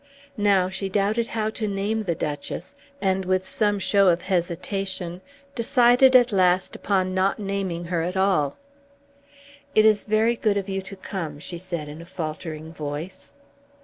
Now she doubted how to name the Duchess, and with some show of hesitation decided at last upon not naming her at all. "It is very good of you to come," she said in a faltering voice.